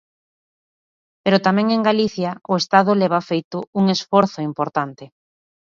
Pero tamén en Galicia o Estado leva feito un esforzo importante.